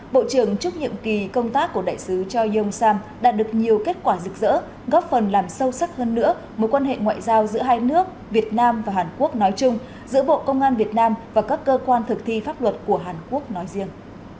bộ trưởng chúc nhiệm kỳ công tác của đại sứ choi yong sam đã được nhiều kết quả rực rỡ góp phần làm sâu sắc hơn nữa mối quan hệ ngoại giao giữa hai nước việt nam và hàn quốc nói chung giữa bộ công an việt nam và các cơ quan thực thi pháp luật của hàn quốc nói riêng